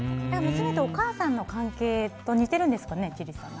娘とお母さんの関係と似てるんですかね、千里さん。